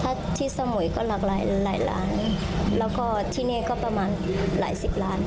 ถ้าที่สมุยก็หลากหลายหลายล้านแล้วก็ที่นี่ก็ประมาณหลายสิบล้าน